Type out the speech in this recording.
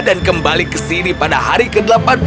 dan kembali ke sini pada hari ke delapan puluh